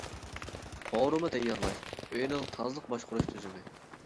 قورۇما تەييارلاش ئۆيىنىڭ تازىلىق باشقۇرۇش تۈزۈمى.